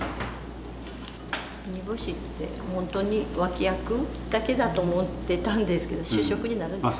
煮干しってほんとに脇役だけだと思ってたんですけど主食になるんですね。